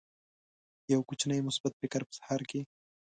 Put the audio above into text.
یو کوچنی مثبت فکر په سهار کې